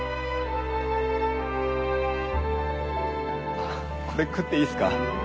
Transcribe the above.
あっこれ食っていいっすか？